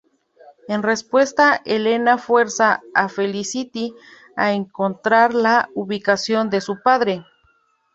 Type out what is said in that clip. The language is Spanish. En respuesta, Helena fuerza a Felicity a encontrar la ubicación de su padre.